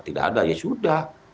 tidak ada ya sudah